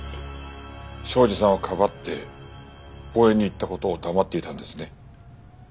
庄司さんをかばって公園に行った事を黙っていたんですね。